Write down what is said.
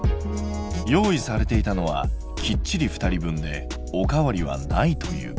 用意されていたのはきっちり２人分でおかわりはないという。